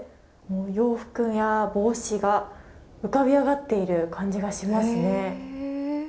洋服や帽子が、浮かび上がっている感じがしますね。